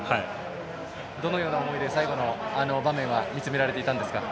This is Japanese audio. どのような思いで最後の場面見つめられていましたか。